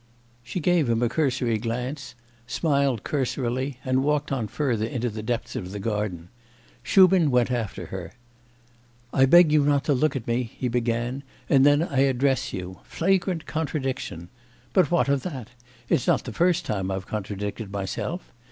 She gave him a cursory glance, smiled cursorily, and walked on further into the depths of the garden. Shubin went after her. 'I beg you not to look at me,' he began, 'and then I address you; flagrant contradiction. But what of that? it's not the first time I've contradicted myself.